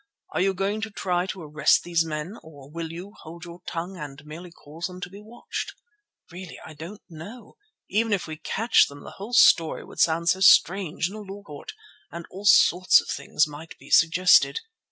Are you going to try to arrest these men, or will you—hold your tongue and merely cause them to be watched?" "Really I don't know. Even if we can catch them the whole story would sound so strange in a law court, and all sorts of things might be suggested."